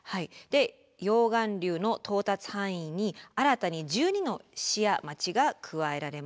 溶岩流の到達範囲に新たに１２の市や町が加えられました。